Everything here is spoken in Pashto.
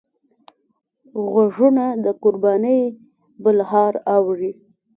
غوږونه د قربانۍ بلهار اوري